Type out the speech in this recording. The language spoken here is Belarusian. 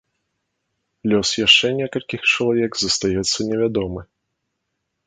Лёс яшчэ некалькіх чалавек застаецца невядомы.